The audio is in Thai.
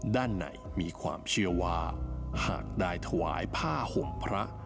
ด้านในมีความเชื่อว่าหากได้ถวายผ้าห่มพระ